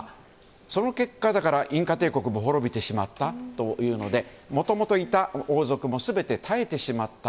その結果、インカ帝国も滅びてしまったというのでもともといた王族も全て絶えてしまった。